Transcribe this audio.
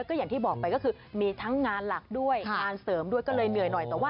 ก็คืออย่างที่บอกไปเป็นทั้งงานหลักด้วยอาจจะเสริมด้วยต้องเหนื่อยหน่อย